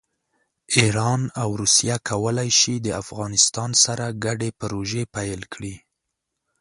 ایران او روسیه کولی شي د افغانستان سره ګډې پروژې پیل کړي.